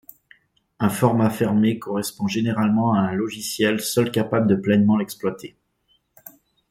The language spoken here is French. Un format fermé correspond généralement à un logiciel seul capable de pleinement l'exploiter.